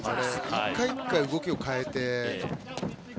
１回１回動きを変えて。